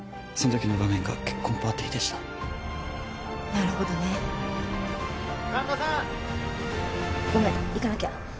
その時の画面が結婚パーティーでしたなるほどね神田さん！